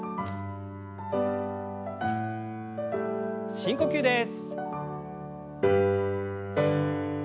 深呼吸です。